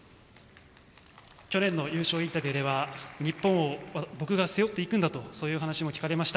去年の優勝インタビューでは日本を僕が背負っていくんだとそういう話も聞かれました。